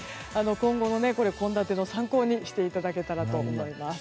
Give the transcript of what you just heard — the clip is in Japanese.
今後の献立の参考にしていただけたらと思います。